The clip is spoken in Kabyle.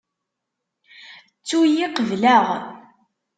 Ttu-yi qebleɣ.